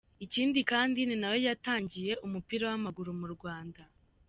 Ikindi kandi ni nayo yatangiye umupira w’amaguru mu Rwanda.